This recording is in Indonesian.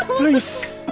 papa aku ingat semua